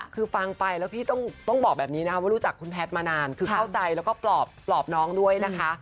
คือฟังไปแล้วพี่ต้องบอกแบบนี้นะคะว่ารู้จักคุณแพทย์มานานคือเข้าใจแล้วก็ปลอบน้องด้วยนะคะ